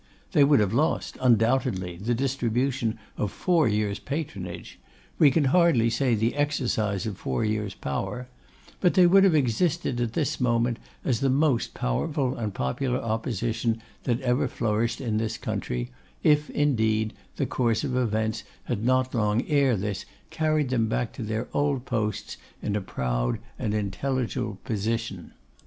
They would have lost, undoubtedly, the distribution of four years' patronage; we can hardly say the exercise of four years' power; but they would have existed at this moment as the most powerful and popular Opposition that ever flourished in this country, if, indeed, the course of events had not long ere this carried them back to their old posts in a proud and intelligible position.